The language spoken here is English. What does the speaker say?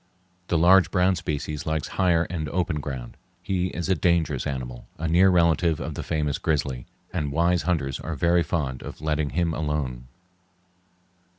The large brown species likes higher and opener ground. He is a dangerous animal, a near relative of the famous grizzly, and wise hunters are very fond of letting him alone.